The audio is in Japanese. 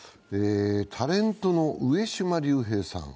タレントの上島竜兵さん